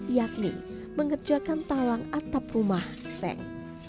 yakni mengerjakan talang atap rumah seng